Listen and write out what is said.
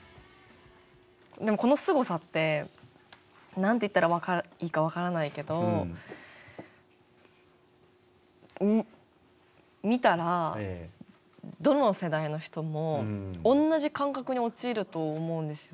でもこのすごさって何て言ったらいいか分からないけど見たらどの世代の人も同じ感覚に陥ると思うんですよね。